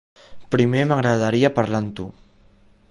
Primer m'agradaria parlar amb tu.